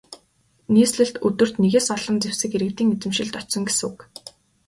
Нийслэлд өдөрт нэгээс олон зэвсэг иргэдийн эзэмшилд очсон гэсэн үг.